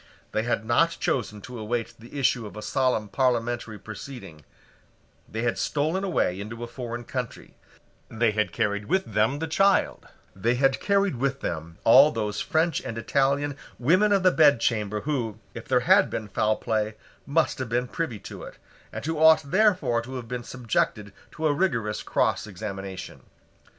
They had not chosen to await the issue of a solemn parliamentary proceeding: they had stolen away into a foreign country: they had carried with them the child: they had carried with them all those French and Italian women of the bedchamber who, if there had been foul play, must have been privy to it, and who ought therefore to have been subjected to a rigorous cross examination.